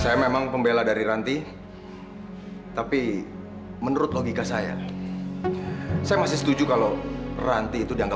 jadi itu masculine